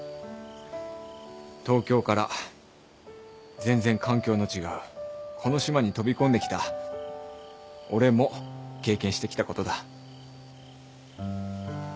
東京から全然環境の違うこの島に飛び込んできた俺も経験してきたことだ。